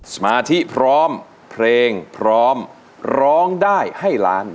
สมาธิพร้อมเพลงพร้อมร้องได้ให้ล้าน